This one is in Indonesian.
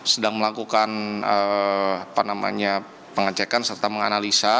sedang melakukan apa namanya pengecekan serta menganalisa